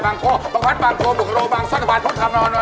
มันต้องวนอยู่ในกรุงเทพก่อน